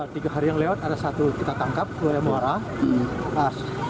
tiga hari yang lewat ada satu kita tangkap dua yang muara